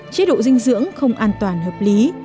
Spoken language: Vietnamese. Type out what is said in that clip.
chế độ dinh dưỡng không an toàn hợp lý